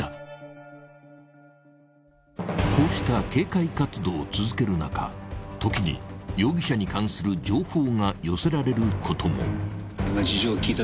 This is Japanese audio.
［こうした警戒活動を続ける中時に容疑者に関する情報が寄せられることも］